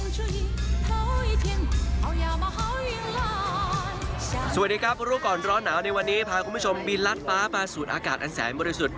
สวัสดีครับรู้ก่อนร้อนหนาวในวันนี้พาคุณผู้ชมบินลัดฟ้ามาสูดอากาศอันแสนบริสุทธิ์